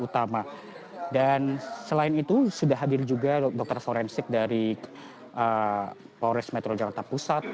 dan selain itu sudah hadir juga dokter forensik dari polres metro jakarta pusat